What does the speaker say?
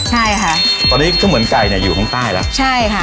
ใช่ค่ะตอนนี้ก็เหมือนไก่เนี่ยอยู่ข้างใต้แล้วใช่ค่ะ